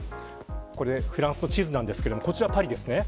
フランスの地図ですがこちらがパリです。